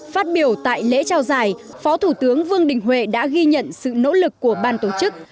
phát biểu tại lễ trao giải phó thủ tướng vương đình huệ đã ghi nhận sự nỗ lực của ban tổ chức